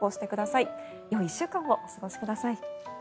よい１週間をお過ごしください。